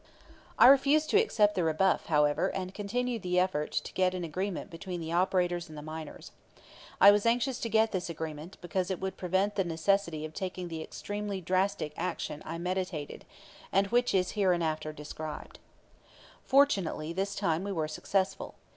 I refused to accept the rebuff, however, and continued the effort to get an agreement between the operators and the miners. I was anxious to get this agreement, because it would prevent the necessity of taking the extremely drastic action I meditated, and which is hereinafter described. Fortunately, this time we were successful.